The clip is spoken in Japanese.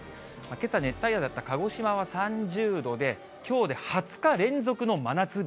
けさ熱帯夜だった鹿児島は３０度で、きょうで２０日連続の真夏日。